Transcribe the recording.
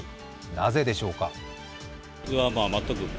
なぜでしょうか。